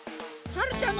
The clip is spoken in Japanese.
はるちゃん！